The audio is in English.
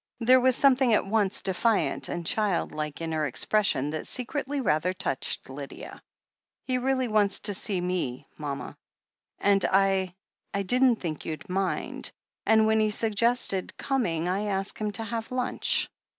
There was something at once defiant and childlike in her expression that secretly rather touched Lydia. "He really wants to see me, mama, and I — I didn't think you'd mind, and when he suggested coming, I asked him to have lunch.